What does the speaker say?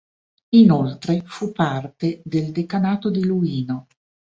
Inoltre, fa parte del decanato di Luino.